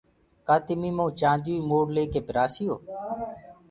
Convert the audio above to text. ڪآ تمي مئو چآنديو ڪي موڙ ليڪي پرآسيو